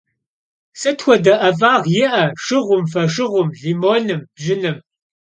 Sıt xuede 'ef'ağ yi'e şşığum, foşşığum, limonım, bjınım?